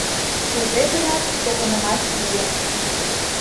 Кузе-гынат погынымаш лийын.